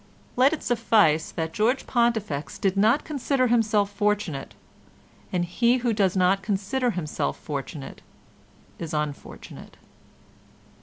Let it suffice that George Pontifex did not consider himself fortunate, and he who does not consider himself fortunate is unfortunate.